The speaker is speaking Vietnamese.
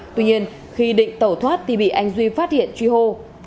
tuy nhiên khi định tẩu thoát thì bị anh duy phát hiện truy hô